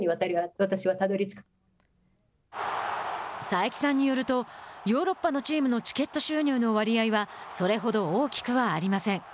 佐伯さんによるとヨーロッパのチームのチケット収入の割合はそれほど大きくはありません。